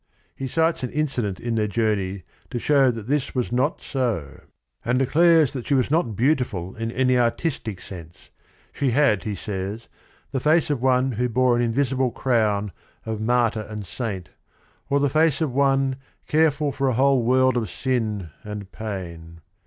He cites an incident in their journey to show that this was not so, and declares that she was not beautiful in any artistic sense. She had, he says, the face of one who bore an invisible crown "of martyr and saint," or the face of one "careful for a whole world of sin and pain."